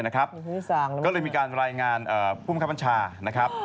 ก็เลยมีการรายงานผู้มันครับอัญชา